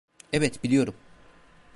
Evet biliyorum.